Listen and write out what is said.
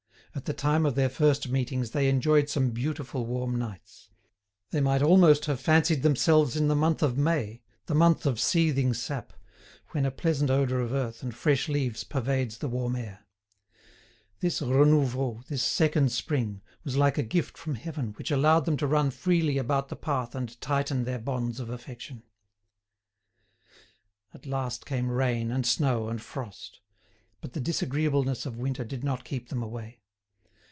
At the time of their first meetings they enjoyed some beautiful warm nights. They might almost have fancied themselves in the month of May, the month of seething sap, when a pleasant odour of earth and fresh leaves pervades the warm air. This renouveau, this second spring, was like a gift from heaven which allowed them to run freely about the path and tighten their bonds of affection. At last came rain, and snow, and frost. But the disagreeableness of winter did not keep them away.